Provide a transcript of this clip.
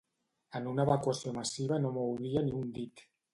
En una evacuació massiva no mouria ni un dit.